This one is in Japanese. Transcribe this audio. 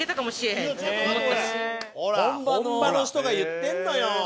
ほら本場の人が言ってるのよ。